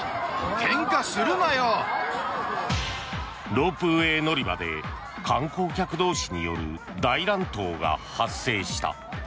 ロープウェー乗り場で観光客同士による大乱闘が発生した。